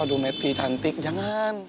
aduh meti cantik jangan